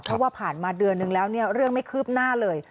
เพราะว่าผ่านมาเดือนนึงแล้วเนี่ยเรื่องไม่คืบหน้าเลย